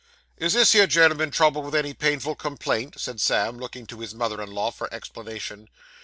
'Is this here gen'l'm'n troubled with any painful complaint?' said Sam, looking to his mother in law for explanation.